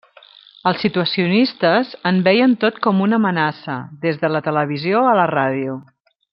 Els situacionistes en veien tot com una amenaça, des de la televisió a la ràdio.